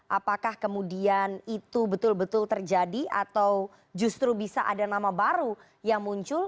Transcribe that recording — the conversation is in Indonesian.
apakah kemudian itu betul betul terjadi atau justru bisa ada nama baru yang muncul